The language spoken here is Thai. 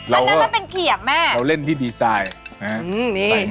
เรารีบคุกเลยอ่ะพีช